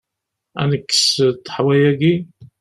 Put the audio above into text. Ad nekkes ṭeḥwa-agi?